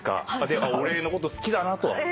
あっ俺のこと好きだなと。